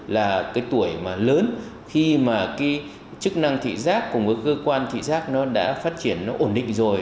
là cái tuổi mà lớn khi mà cái chức năng thị giác cùng với cơ quan thị giác nó đã phát triển nó ổn định rồi